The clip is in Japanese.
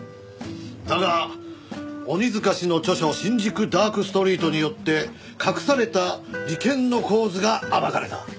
だが鬼塚氏の著書『新宿ダークストリート』によって隠された利権の構図が暴かれた。